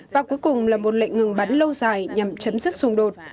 và cuối cùng là một lệnh ngừng bắn lâu dài nhằm chấm dứt xung đột